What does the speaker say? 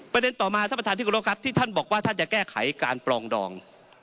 ประเด็นต่อมาที่ท่านบอกว่าท่านอยากแก้ไขการปลองดอง